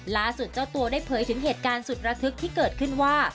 ล่าสุดเจ้าตัวได้เผยถึงเหตุการณ์สุดระทึกที่เกิดขึ้นว่า